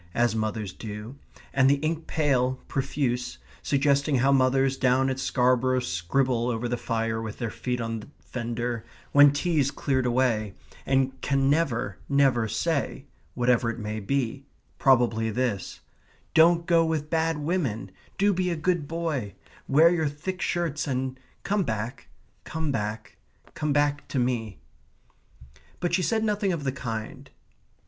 as mothers do, and the ink pale, profuse, suggesting how mothers down at Scarborough scribble over the fire with their feet on the fender, when tea's cleared away, and can never, never say, whatever it may be probably this Don't go with bad women, do be a good boy; wear your thick shirts; and come back, come back, come back to me. But she said nothing of the kind.